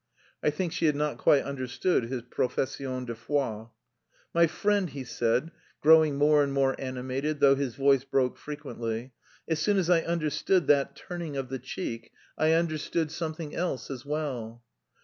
(I think she had not quite understood his profession de foi.) "My friend," he said, growing more and more animated, though his voice broke frequently, "as soon as I understood... that turning of the cheek, I... understood something else as well.